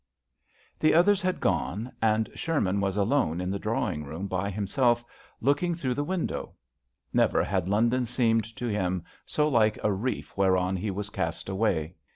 HE others had gone,, and Sherman was alone in the drawing room by himself, looking through the window. Never had London seemed to him so like a reef whereon he was cast away.